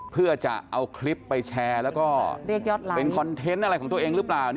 เพื่อจะเอาคลิปไปแชร์แล้วก็เป็นคอนเทนต์อะไรของตัวเองหรือเปล่า